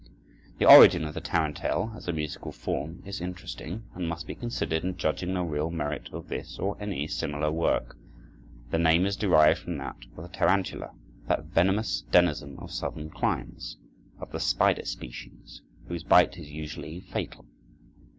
The origin of the tarantelle, as a musical form, is interesting and must be considered in judging the real merit of this or any similar work. The name is derived from that of the tarantula, that venomous denizen of southern climes, of the spider species, whose bite is usually fatal.